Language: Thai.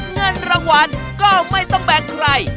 เงินรางวัลก็ไม่ต้องแบ่งใคร